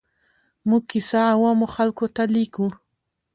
موږ کیسه عوامو خلکو ته لیکو.